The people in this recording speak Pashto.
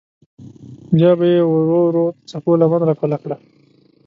بیا به یې ورو ورو د څپو لمن راټوله کړه.